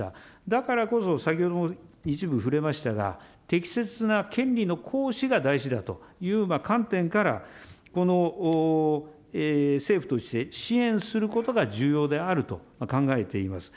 だからこそ、先ほども一部触れましたが、適切な権利の行使が大事だという観点から、この政府として支援することが重要であると考えています。